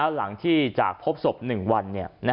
หลังจากพบศพ๑วัน